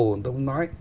tôi cũng nói